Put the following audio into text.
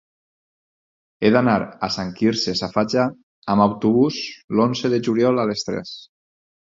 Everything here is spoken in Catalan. He d'anar a Sant Quirze Safaja amb autobús l'onze de juliol a les tres.